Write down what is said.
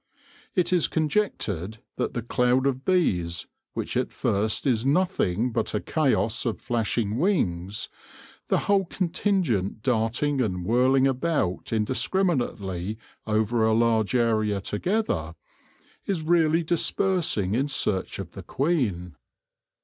It is conjectured that the cloud of bees — which at first is nothing but a chaos of flashing wings, the whole contingent darting and whirling about indiscriminately over a large area together — is really dispersing in search of the queen.